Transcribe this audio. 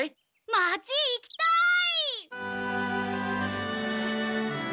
町行きたい！